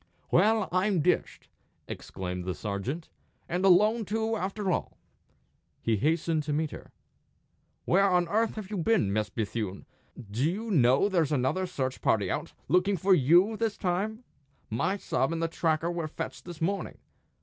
"Well, I'm dished!" exclaimed the sergeant. "And alone, too, after all!" He hastened to meet her. "Where on earth have you been, Miss Bethune? Do you know there's another search party out, looking for you this time? My sub and the tracker were fetched this morning.